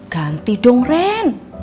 ganti dong ren